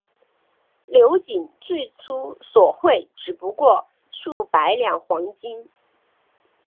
刘瑾最初索贿只不过数百两黄金。